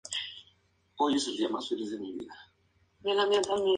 Estudio Gran Unidad Escolar San Luis Gonzaga y tocaba el saxo alto.